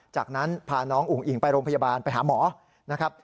จากนั้นพาน้องอุ๋งอิ๋งไปโรงพยาบาลไปหาหมอนะครับ